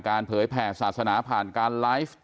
เผยแผ่ศาสนาผ่านการไลฟ์